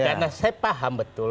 karena saya paham betul